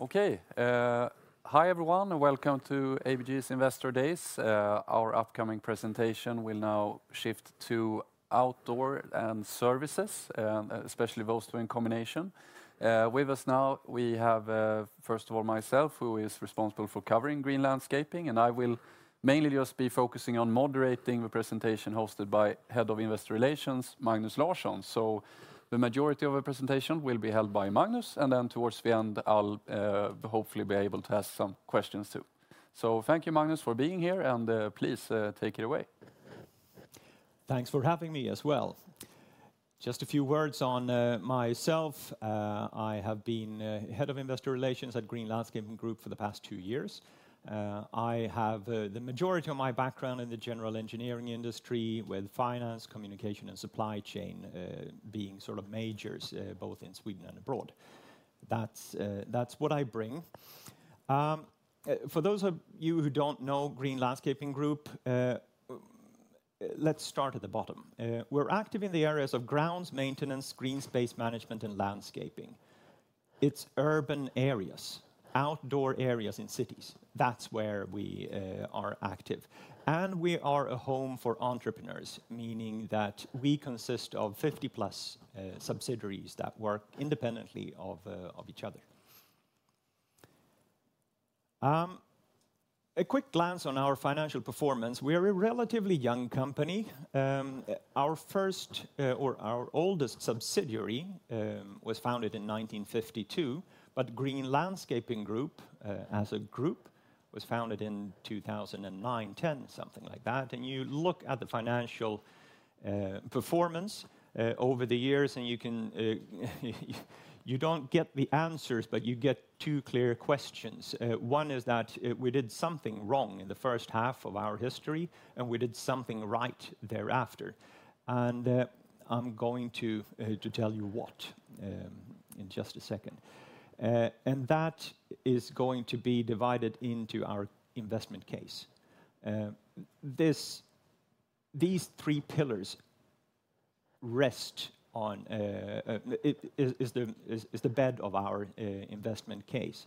Okay, hi everyone and welcome to ABG's Investor Days. Our upcoming presentation will now shift to outdoor and services, especially those two in combination. With us now we have, first of all, myself, who is responsible for covering Green Landscaping, and I will mainly just be focusing on moderating the presentation hosted by Head of Investor Relations, Magnus Larsson. So the majority of the presentation will be held by Magnus, and then towards the end I'll hopefully be able to ask some questions too. So thank you, Magnus, for being here, and please take it away. Thanks for having me as well. Just a few words on myself. I have been Head of Investor Relations at Green Landscaping Group for the past two years. I have the majority of my background in the general engineering industry, with finance, communication, and supply chain being sort of majors, both in Sweden and abroad. That's what I bring. For those of you who don't know Green Landscaping Group, let's start at the bottom. We're active in the areas of grounds maintenance, green space management, and landscaping. It's urban areas, outdoor areas in cities. That's where we are active. And we are a home for entrepreneurs, meaning that we consist of 50-plus subsidiaries that work independently of each other. A quick glance on our financial performance. We are a relatively young company. Our first, or our oldest subsidiary, was founded in 1952, but Green Landscaping Group, as a group, was founded in 2009, 2010, something like that. You look at the financial performance over the years, and you can, you don't get the answers, but you get two clear questions. One is that we did something wrong in the first half of our history, and we did something right thereafter. I'm going to tell you what in just a second, and that is going to be divided into our investment case. These three pillars rest on is the bed of our investment case,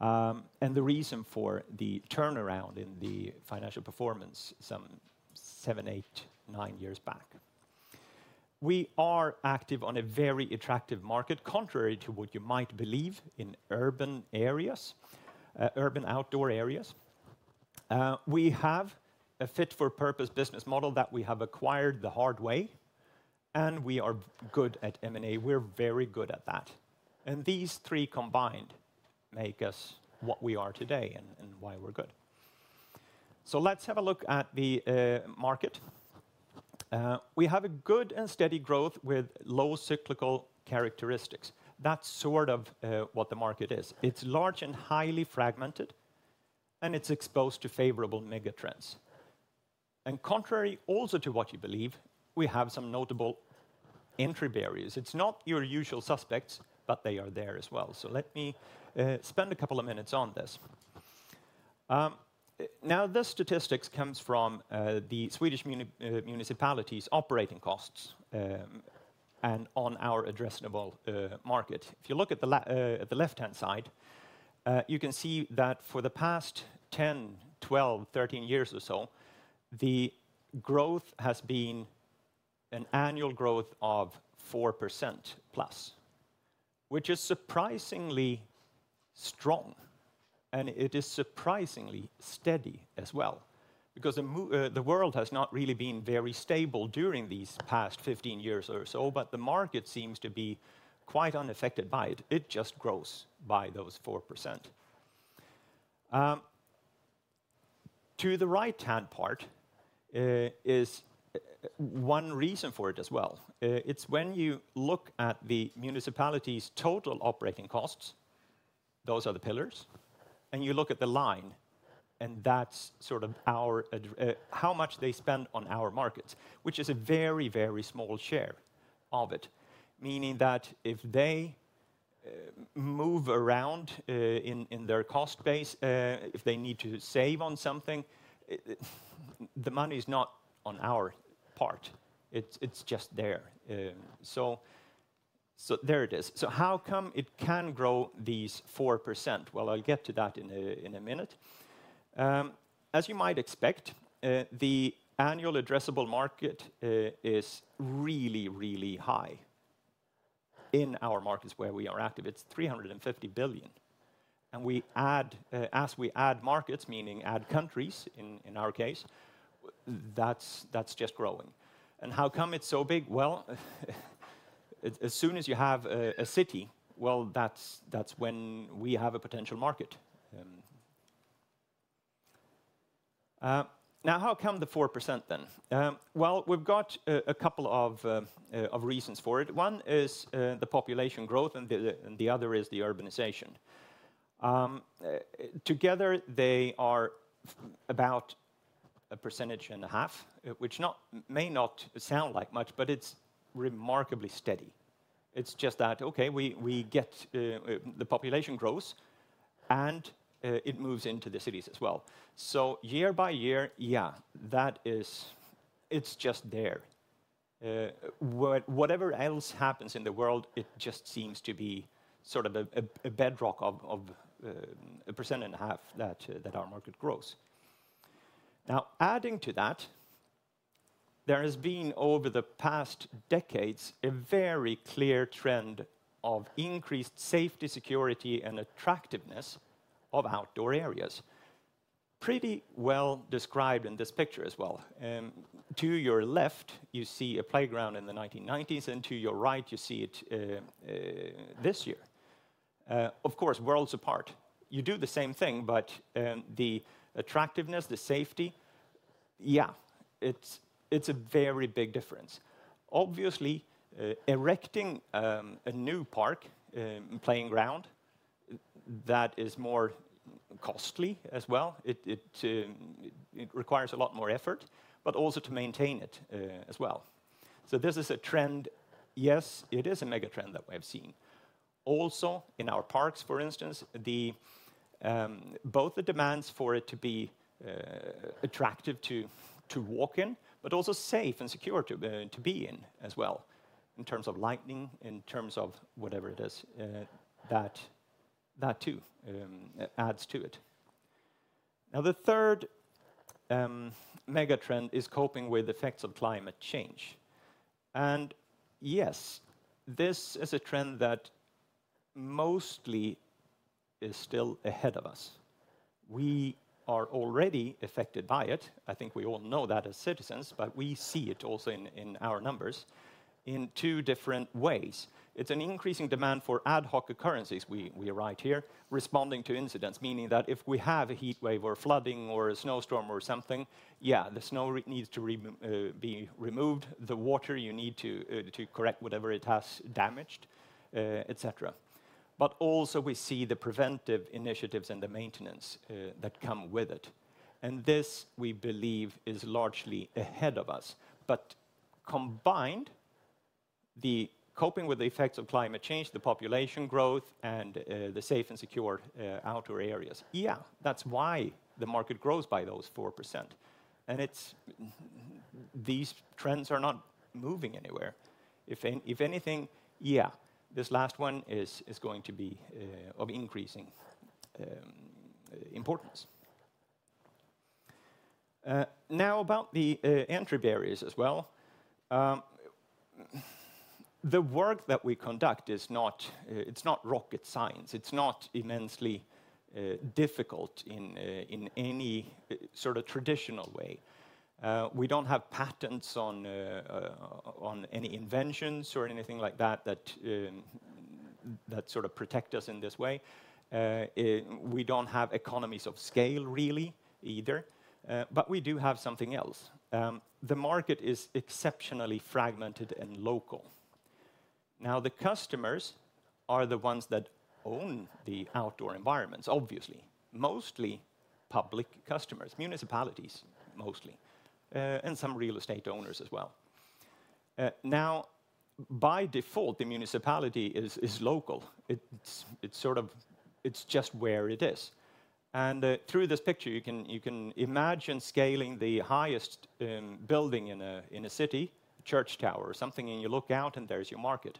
and the reason for the turnaround in the financial performance some seven, eight, nine years back. We are active on a very attractive market, contrary to what you might believe in urban areas, urban outdoor areas. We have a fit-for-purpose business model that we have acquired the hard way, and we are good at M&A. We're very good at that. And these three combined make us what we are today and why we're good. So let's have a look at the market. We have a good and steady growth with low cyclical characteristics. That's sort of what the market is. It's large and highly fragmented, and it's exposed to favorable megatrends. And contrary also to what you believe, we have some notable entry barriers. It's not your usual suspects, but they are there as well. So let me spend a couple of minutes on this. Now this statistics comes from the Swedish municipalities' operating costs, and on our addressable market. If you look at the, at the left-hand side, you can see that for the past 10, 12, 13 years or so, the growth has been an annual growth of 4% plus, which is surprisingly strong, and it is surprisingly steady as well, because the world has not really been very stable during these past 15 years or so, but the market seems to be quite unaffected by it. It just grows by those 4%. To the right-hand part is one reason for it as well. It's when you look at the municipality's total operating costs, those are the pillars, and you look at the line, and that's sort of our, how much they spend on our markets, which is a very, very small share of it. Meaning that if they move around in their cost base, if they need to save on something, the money is not on our part. It's just there. So there it is. So how come it can grow these 4%? Well, I'll get to that in a minute. As you might expect, the annual addressable market is really high. In our markets where we are active, it's 350 billion. And as we add markets, meaning add countries, in our case, that's just growing. And how come it's so big? Well, as soon as you have a city, that's when we have a potential market. Now how come the 4% then? Well, we've got a couple of reasons for it. One is the population growth, and the other is the urbanization. Together they are about 1.5%, which may not sound like much, but it's remarkably steady. It's just that, okay, we get, the population grows and it moves into the cities as well. Year by year, yeah, that is, it's just there. Whatever else happens in the world, it just seems to be sort of a bedrock of 1.5% that our market grows. Now, adding to that, there has been over the past decades a very clear trend of increased safety, security, and attractiveness of outdoor areas. Pretty well described in this picture as well. To your left, you see a playground in the 1990s, and to your right, you see it this year. Of course, worlds apart, you do the same thing, but the attractiveness, the safety, yeah, it's a very big difference. Obviously, erecting a new park, playground, that is more costly as well. It requires a lot more effort, but also to maintain it, as well. So this is a trend. Yes, it is a mega trend that we have seen. Also in our parks, for instance, both the demands for it to be attractive to walk in, but also safe and secure to be in as well, in terms of lighting, in terms of whatever it is, that too adds to it. Now, the third mega trend is coping with effects of climate change. Yes, this is a trend that mostly is still ahead of us. We are already affected by it. I think we all know that as citizens, but we see it also in our numbers in two different ways. It's an increasing demand for ad hoc occurrences. We arrived here responding to incidents, meaning that if we have a heat wave or flooding or a snowstorm or something, yeah, the snow needs to be removed. The water you need to correct whatever it has damaged, et cetera, but also we see the preventive initiatives and the maintenance that come with it, and this we believe is largely ahead of us, but combined, the coping with the effects of climate change, the population growth, and the safe and secure outdoor areas, yeah, that's why the market grows by those 4%. It's these trends are not moving anywhere. If anything, yeah, this last one is going to be of increasing importance. Now about the entry barriers as well. The work that we conduct is not, it's not rocket science. It's not immensely difficult in any sort of traditional way. We don't have patents on any inventions or anything like that that sort of protect us in this way. We don't have economies of scale really either. But we do have something else. The market is exceptionally fragmented and local. Now, the customers are the ones that own the outdoor environments, obviously. Mostly public customers, municipalities mostly, and some real estate owners as well. Now by default, the municipality is local. It's sort of. It's just where it is. And through this picture, you can imagine scaling the highest building in a city, church tower or something, and you look out and there's your market.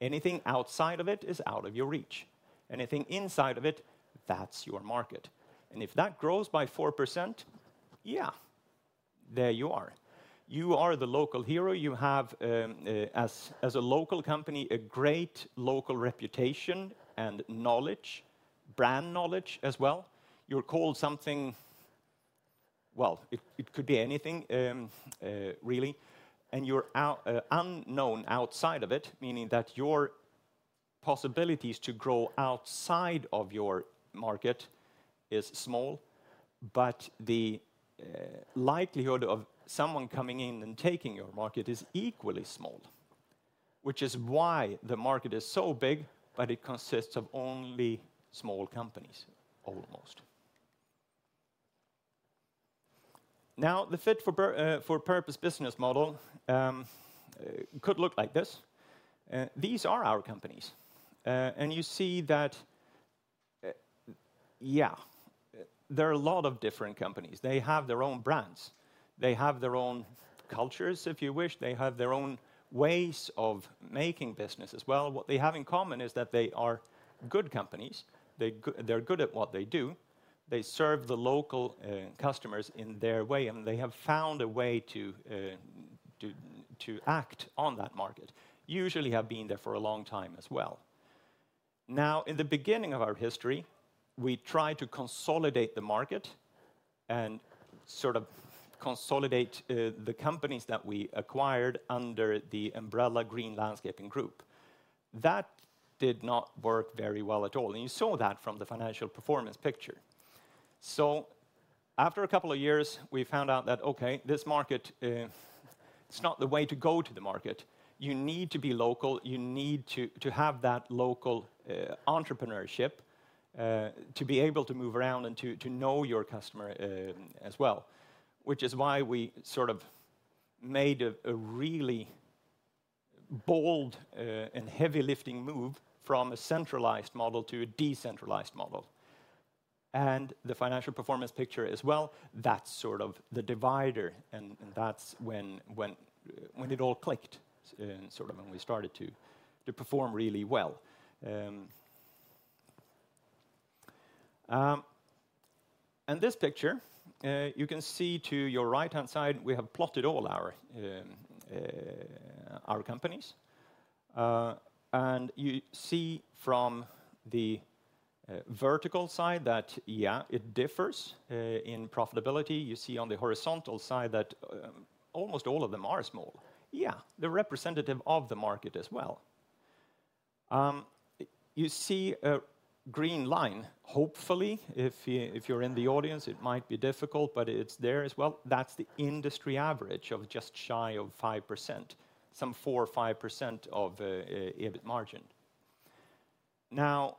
Anything outside of it is out of your reach. Anything inside of it, that's your market. And if that grows by 4%, yeah, there you are. You are the local hero. You have, as a local company, a great local reputation and knowledge, brand knowledge as well. You're called something, well, it could be anything, really, and you're unknown outside of it, meaning that your possibilities to grow outside of your market is small, but the likelihood of someone coming in and taking your market is equally small, which is why the market is so big, but it consists of only small companies almost. Now, the fit-for-purpose business model could look like this. These are our companies, and you see that, yeah, there are a lot of different companies. They have their own brands. They have their own cultures, if you wish. They have their own ways of making business as well. What they have in common is that they are good companies. They go, they're good at what they do. They serve the local customers in their way. They have found a way to act on that market. Usually have been there for a long time as well. Now, in the beginning of our history, we tried to consolidate the market and sort of consolidate the companies that we acquired under the umbrella Green Landscaping Group. That did not work very well at all. You saw that from the financial performance picture. After a couple of years, we found out that, okay, this market, it's not the way to go to the market. You need to be local. You need to have that local entrepreneurship, to be able to move around and to know your customer, as well. Which is why we sort of made a really bold and heavy lifting move from a centralized model to a decentralized model. And the financial performance picture as well, that's sort of the divider. And that's when it all clicked, sort of when we started to perform really well. And this picture, you can see to your right-hand side, we have plotted all our companies. And you see from the vertical side that, yeah, it differs in profitability. You see on the horizontal side that almost all of them are small. Yeah, they're representative of the market as well. You see a green line. Hopefully, if you're in the audience, it might be difficult, but it's there as well. That's the industry average of just shy of 5%, some 4%-5% EBIT margin. Now,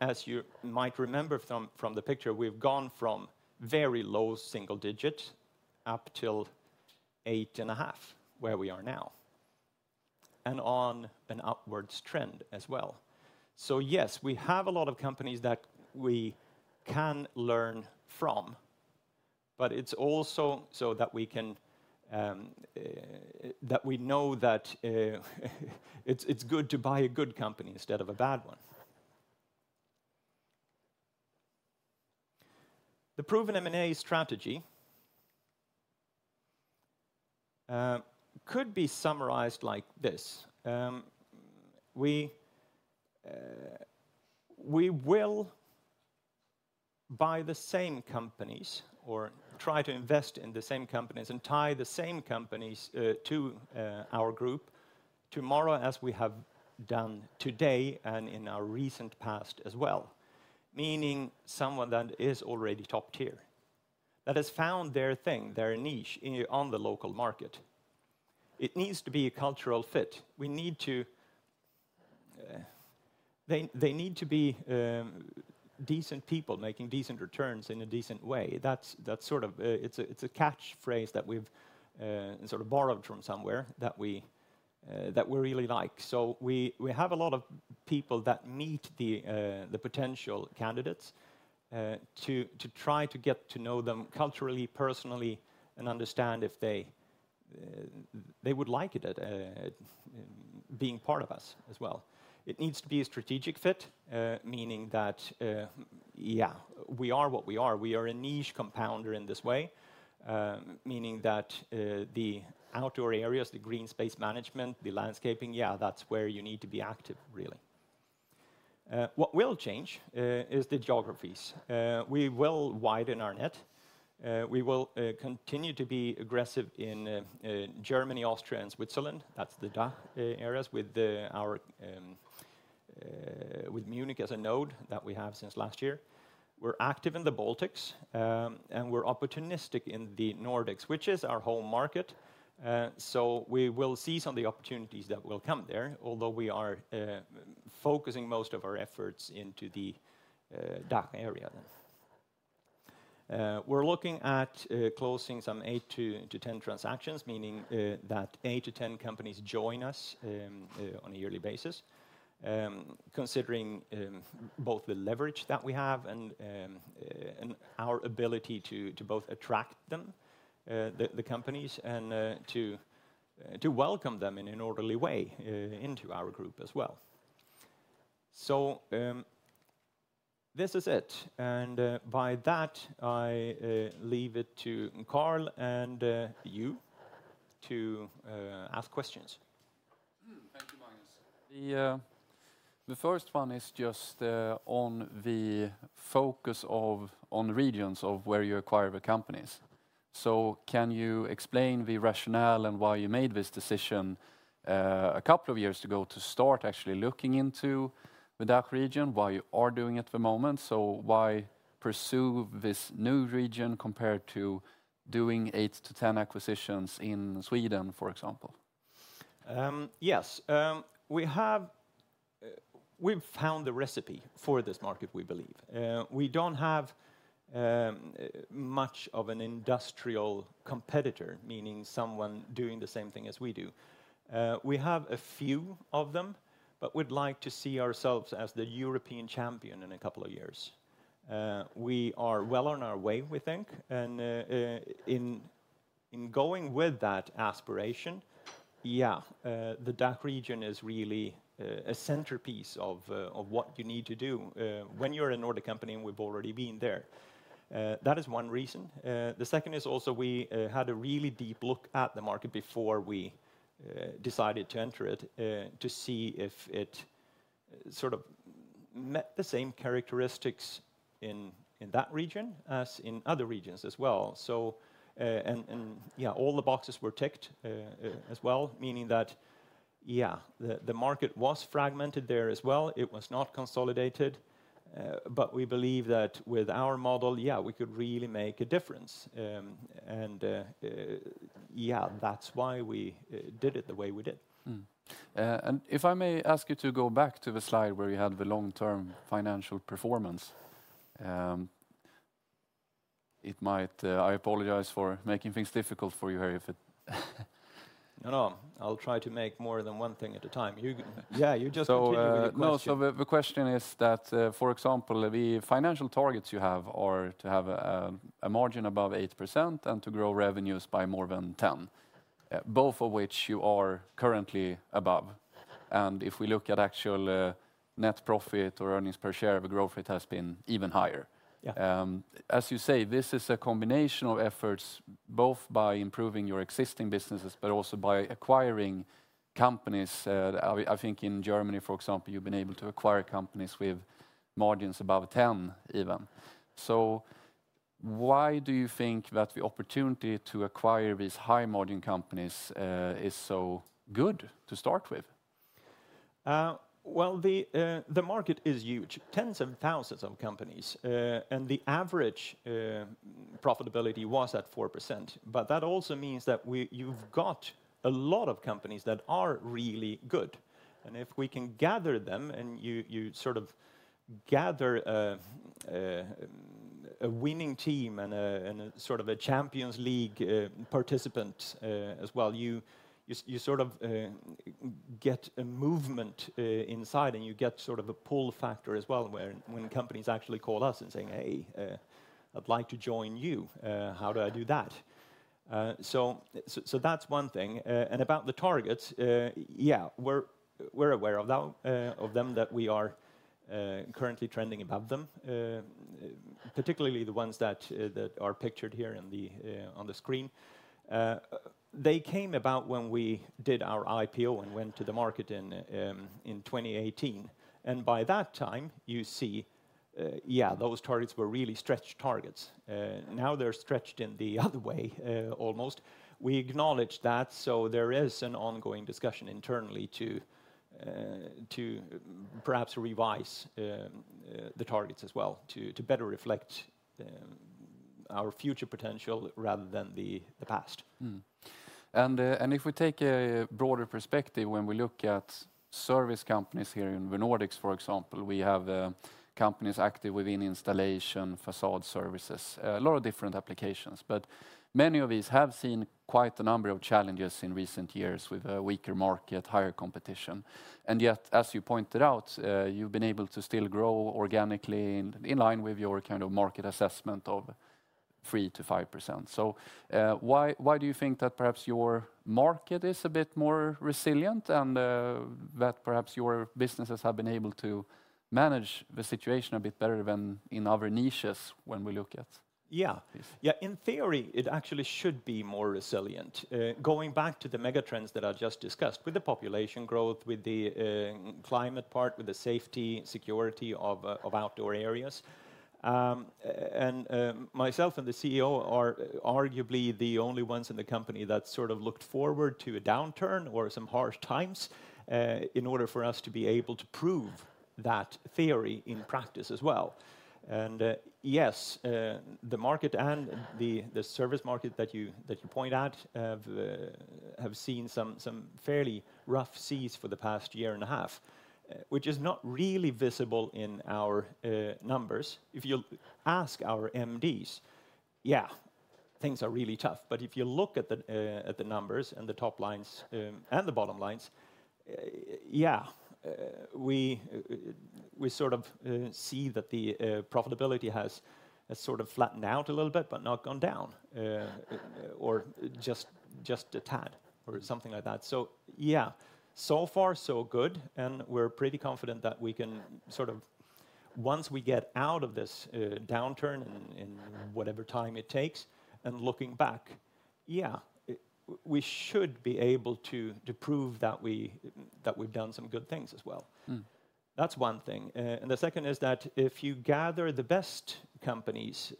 as you might remember from the picture, we've gone from very low single digit up till 8.5% where we are now. On an upwards trend as well. Yes, we have a lot of companies that we can learn from, but it's also so that we can, that we know that, it's good to buy a good company instead of a bad one. The proven M&A strategy could be summarized like this. We will buy the same companies or try to invest in the same companies and tie the same companies to our group tomorrow as we have done today and in our recent past as well. Meaning someone that is already top tier that has found their thing, their niche on the local market. It needs to be a cultural fit. They need to be decent people making decent returns in a decent way. That's sort of, it's a catchphrase that we've sort of borrowed from somewhere that we really like. So we have a lot of people that meet the potential candidates, to try to get to know them culturally, personally, and understand if they would like it at being part of us as well. It needs to be a strategic fit, meaning that, yeah, we are what we are. We are a niche compounder in this way. Meaning that, the outdoor areas, the green space management, the landscaping, yeah, that's where you need to be active really. What will change is the geographies. We will widen our net. We will continue to be aggressive in Germany, Austria, and Switzerland. That's the DACH areas with our Munich as a node that we have since last year. We're active in the Baltics, and we're opportunistic in the Nordics, which is our home market, so we will seize on the opportunities that will come there, although we are focusing most of our efforts into the DACH area then. We're looking at closing some eight to 10 transactions, meaning that eight to 10 companies join us on a yearly basis, considering both the leverage that we have and our ability to both attract them, the companies and to welcome them in an orderly way into our group as well, so this is it, and by that, I leave it to Carl and you to ask questions. Thank you, Magnus. The first one is just on the focus on regions of where you acquire the companies. So can you explain the rationale and why you made this decision a couple of years ago to start actually looking into the DACH region, why you are doing it at the moment? So why pursue this new region compared to doing eight to 10 acquisitions in Sweden, for example? Yes. We've found the recipe for this market, we believe. We don't have much of an industrial competitor, meaning someone doing the same thing as we do. We have a few of them, but we'd like to see ourselves as the European champion in a couple of years. We are well on our way, we think. And in going with that aspiration, yeah, the DACH region is really a centerpiece of what you need to do when you're a Nordic company and we've already been there. That is one reason. The second is also we had a really deep look at the market before we decided to enter it, to see if it sort of met the same characteristics in that region as in other regions as well. So, and yeah, all the boxes were ticked as well, meaning that yeah, the market was fragmented there as well. It was not consolidated, but we believe that with our model, yeah, we could really make a difference. And yeah, that's why we did it the way we did. If I may ask you to go back to the slide where you had the long-term financial performance, it might. I apologize for making things difficult for you here if it. No, no. I'll try to make more than one thing at a time. You yeah, you just continue. So, no. The question is that, for example, the financial targets you have are to have a margin above 8% and to grow revenues by more than 10%, both of which you are currently above. If we look at actual net profit or earnings per share, the growth rate has been even higher. Yeah. As you say, this is a combination of efforts both by improving your existing businesses, but also by acquiring companies. I think in Germany, for example, you've been able to acquire companies with margins above 10% even. Why do you think that the opportunity to acquire these high-margin companies is so good to start with? The market is huge. Tens of thousands of companies, and the average profitability was at 4%. That also means that you've got a lot of companies that are really good. If we can gather them and you sort of gather a winning team and a sort of a Champions League participant, as well, you sort of get a movement inside and you get sort of a pull factor as well where when companies actually call us and say, "Hey, I'd like to join you. How do I do that?" So that's one thing. About the targets, yeah, we're aware of that, of them that we are currently trending above them, particularly the ones that are pictured here on the screen. They came about when we did our IPO and went to the market in 2018. By that time, you see, yeah, those targets were really stretched targets. Now they're stretched in the other way, almost. We acknowledge that. There is an ongoing discussion internally to perhaps revise the targets as well to better reflect our future potential rather than the past. If we take a broader perspective when we look at service companies here in the Nordics, for example, we have companies active within installation, facade services, a lot of different applications. Many of these have seen quite a number of challenges in recent years with a weaker market, higher competition. Yet, as you pointed out, you've been able to still grow organically in line with your kind of market assessment of 3%-5%. Why do you think that perhaps your market is a bit more resilient and that perhaps your businesses have been able to manage the situation a bit better than in other niches when we look at? Yeah. Yeah. In theory, it actually should be more resilient, going back to the mega trends that I just discussed with the population growth, with the climate part, with the safety, security of outdoor areas, and myself and the CEO are arguably the only ones in the company that sort of looked forward to a downturn or some harsh times, in order for us to be able to prove that theory in practice as well, and yes, the market and the service market that you point at have seen some fairly rough seas for the past year and a half, which is not really visible in our numbers. If you ask our MDs, yeah, things are really tough. But if you look at the numbers and the top lines, and the bottom lines, yeah, we sort of see that the profitability has sort of flattened out a little bit, but not gone down, or just a tad or something like that. So yeah, so far so good. And we're pretty confident that we can sort of once we get out of this downturn and whatever time it takes and looking back, yeah, we should be able to prove that we've done some good things as well. That's one thing. And the second is that if you gather the best companies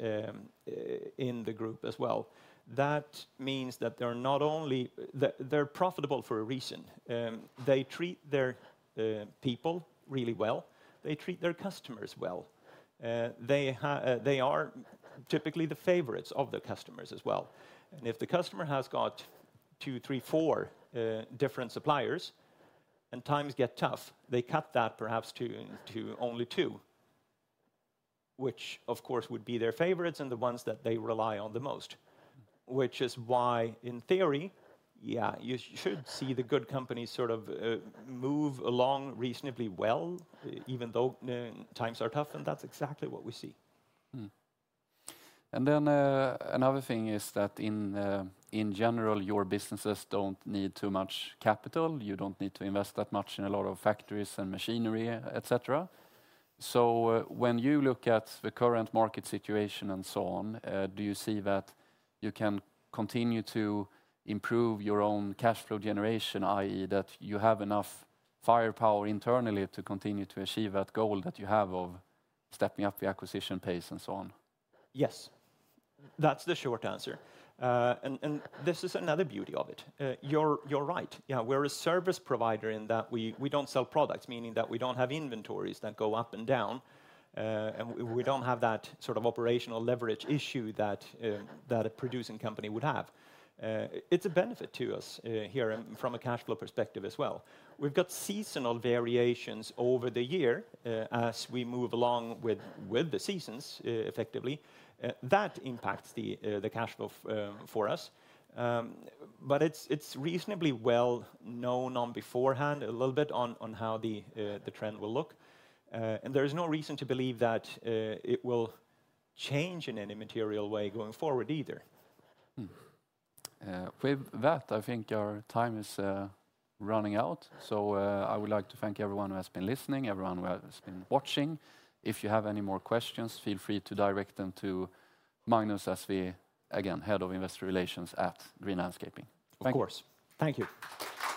in the group as well, that means that they're profitable for a reason. They treat their people really well. They treat their customers well. They are typically the favorites of the customers as well. And if the customer has got two, three, four different suppliers and times get tough, they cut that perhaps to only two, which of course would be their favorites and the ones that they rely on the most, which is why in theory, yeah, you should see the good companies sort of move along reasonably well, even though times are tough. And that's exactly what we see. And then, another thing is that in general, your businesses don't need too much capital. You don't need to invest that much in a lot of factories and machinery, et cetera. So when you look at the current market situation and so on, do you see that you can continue to improve your own cash flow generation, i.e., that you have enough firepower internally to continue to achieve that goal that you have of stepping up the acquisition pace and so on? Yes, that's the short answer. And this is another beauty of it. You're right. Yeah. We're a service provider in that we don't sell products, meaning that we don't have inventories that go up and down. And we don't have that sort of operational leverage issue that a producing company would have. It's a benefit to us here from a cash flow perspective as well. We've got seasonal variations over the year, as we move along with the seasons, effectively. That impacts the cash flow for us. But it's reasonably well known beforehand a little bit on how the trend will look. And there is no reason to believe that it will change in any material way going forward either. With that, I think our time is running out. I would like to thank everyone who has been listening, everyone who has been watching. If you have any more questions, feel free to direct them to Magnus, our head of Investor Relations at Green Landscaping Group. Of course. Thank you.